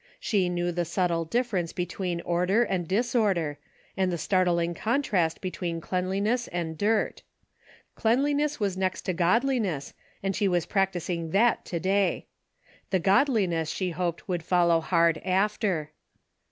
She. knew the subtle dilference between order and disorder, and the startling contrast between cleanliness and dirt. Cleanliness was next to godliness and she was practicing that to day. The godliness she hoped would follow hard after.